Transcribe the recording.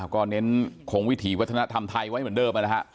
ก็เน้นคงวิถีวัฒนธรรมไทยไว้เหมือนเดิมนะฮะ